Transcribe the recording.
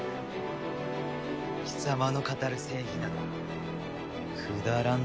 貴様の語る正義などくだらん！